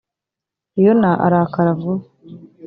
yona arakara vuba.